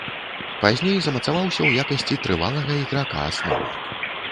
Пазней замацаваўся ў якасці трывалага іграка асновы.